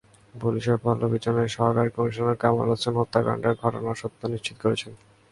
পুলিশের পল্লবী জোনের সহকারী কমিশনার কামাল হোসেন হত্যাকাণ্ডের ঘটনার সত্যতা নিশ্চিত করেছেন।